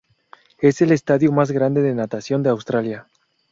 Es el estadio más grande de natación de Australia.